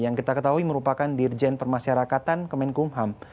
yang kita ketahui merupakan dirjen permasyarakatan kemenkumham